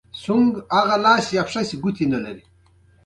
د افغانستان جلکو د افغانستان د چاپیریال د مدیریت لپاره مهم دي.